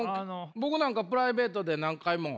僕なんかプライベートで何回も。